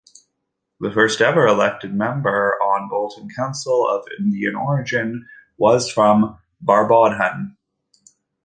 The first ever Elected Member on Bolton Council of Indian origin was from Barbodhan.